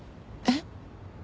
えっ？